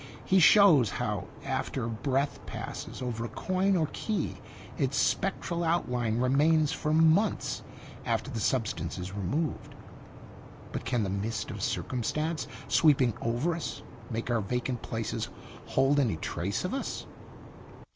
He shows how after a breath passes over a coin or key, its spectral outline remains for months after the substance is removed. But can the mist of circumstance sweeping over us make our vacant places hold any trace of us?"